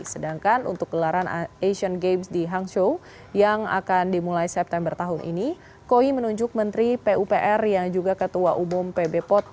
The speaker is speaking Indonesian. sedangkan untuk gelaran asian games di hangzhou yang akan dimulai september tahun ini koi menunjuk menteri pupr yang juga ketua umum pb pot